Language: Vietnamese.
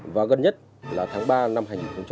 và gần nhất là tháng ba năm hai nghìn hai mươi